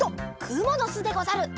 くものすでござる。